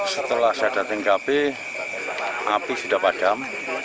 setelah saya datang ke tkp api sudah padam